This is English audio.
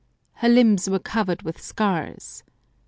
Her limbs were covered with scars.